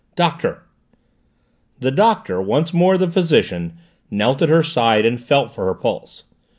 "Doctor!" The Doctor, once more the physician, knelt at her side and felt for her pulse.